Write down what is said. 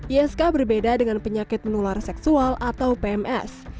isk berbeda dengan penyakit menular seksual atau pms